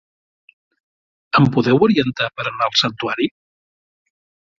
Em podeu orientar per a anar al santuari?